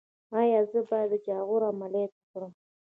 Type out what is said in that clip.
ایا زه باید د جاغور عملیات وکړم؟